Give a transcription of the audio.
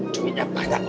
duitnya banyak mbak